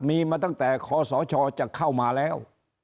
มีมาตั้งแต่ขอสอชอจะเข้ามาแล้ว